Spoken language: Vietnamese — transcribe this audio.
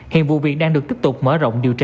hiện vụ việc đang được tiếp tục mở rộng điều tra